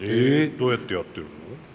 どうやってやってるの？